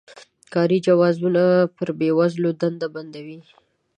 کاري جوازونه پر بې وزلو دندې بندوي.